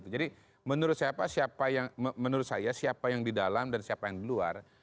jadi menurut saya siapa yang di dalam dan siapa yang di luar